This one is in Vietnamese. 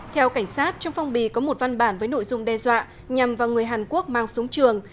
theo cảnh sát trong phong bì có một văn bản với nội dung đe dọa nhằm vào người hàn quốc mang súng trường